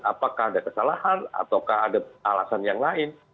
apakah ada kesalahan ataukah ada alasan yang lain